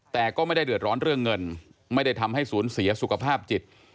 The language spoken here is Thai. แต่ก็ไม่ได้เดือดร้อนเรื่องเงินไม่ได้ทำให้สูญเสียสุขภาพจิต